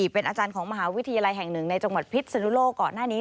เป็นอาจารย์ของมหาวิทยาลัยแห่งหนึ่งในจังหวัดพิษสนุโลกก่อนหน้านี้